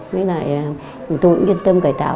với lại tôi cũng yên tâm cải tạo